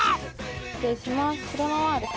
失礼します